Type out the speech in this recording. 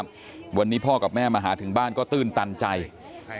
บอกว่าไม่ได้เจอพ่อกับแม่มาพักหนึ่งแล้วตัวเองก็ยุ่งอยู่กับเทื่องราวที่เกิดขึ้นในพื้นที่นะครับ